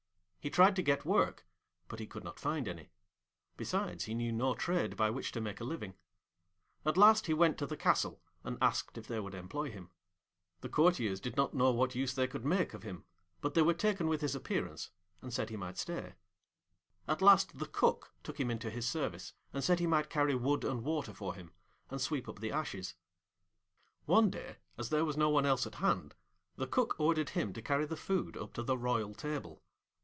He tried to get work, but he could not find any; besides, he knew no trade by which to make a living. At last he went to the castle and asked if they would employ him. The courtiers did not know what use they could make of him, but they were taken with his appearance, and said he might stay. At last the Cook took him into his service, and said he might carry wood and water for him, and sweep up the ashes. One day, as there was no one else at hand, the Cook ordered him to carry the food up to the royal table.